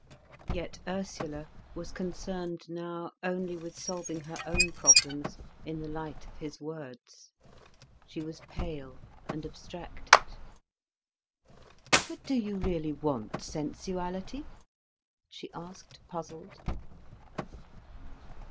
Yet Ursula was concerned now only with solving her own problems, in the light of his words. She was pale and abstracted. "But do you really want sensuality?" she asked, puzzled.